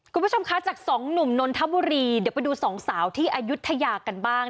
คุณผู้ชมคะจากสองหนุ่มนนทบุรีเดี๋ยวไปดูสองสาวที่อายุทยากันบ้าง